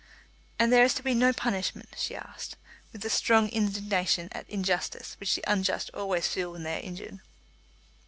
"And there is to be no punishment?" she asked, with that strong indignation at injustice which the unjust always feel when they are injured.